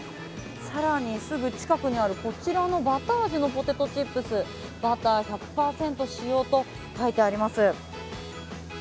更に、すぐ近くにあるこちらのバター味のポテトチップスバター１００％使用と書いてあります